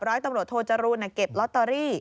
ร้อยตำรวจโทจรูลเก็บลอตเตอรี่